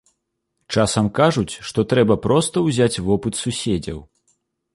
Часам кажуць, што трэба проста ўзяць вопыт суседзяў.